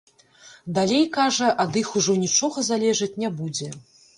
Далей, кажа, ад іх ужо нічога залежаць не будзе.